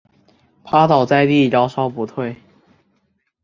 趴倒在地高烧不退